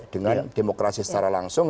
dengan demokrasi secara langsung